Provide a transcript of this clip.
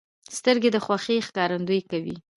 سترګې د خوښۍ ښکارندویي کوي